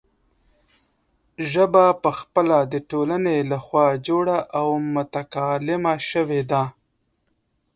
ژبه پخپله د ټولنې له خوا جوړه او متکامله شوې ده.